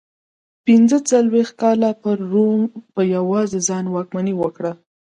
پنځه څلوېښت کاله پر روم په یوازې ځان واکمني وکړه.